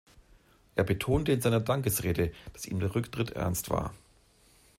Er betonte in seiner Dankesrede, dass ihm der Rücktritt ernst war.